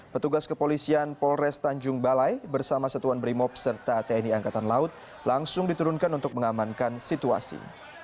petugas kepolisian polres tanjung balai bersama satuan brimob serta tni angkatan laut langsung diturunkan untuk mengamankan situasi